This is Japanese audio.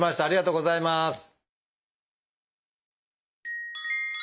ありがとうございます。